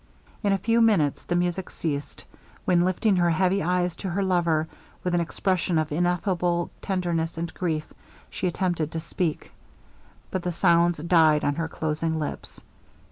In a few minutes the music ceased, when lifting her heavy eyes to her lover, with an expression of ineffable tenderness and grief, she attempted to speak, but the sounds died on her closing lips.